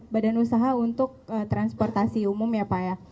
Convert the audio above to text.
badan usaha untuk transportasi umum ya pak ya